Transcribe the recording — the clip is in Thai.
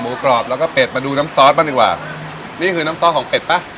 กรอบแล้วก็เป็ดมาดูน้ำซอสบ้างดีกว่านี่คือน้ำซอสของเป็ดป่ะ